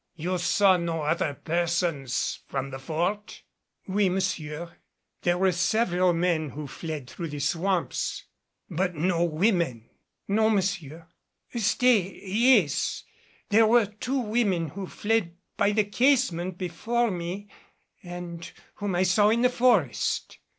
"You saw no other persons from the Fort?" "Oui, monsieur. There were several men who fled through the swamps." "But no women?" "Non, monsieur. Stay yes, there were two women who fled by the casement before me and whom I saw in the forest."